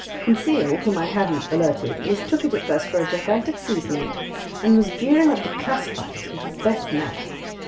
Conseil, whom I hadn't alerted, mistook it at first for a gigantic sea snake and was gearing up to classify it in his best manner.